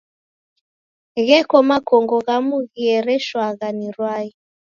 Gheko makongo ghamu ghiereshawagha ni rwai.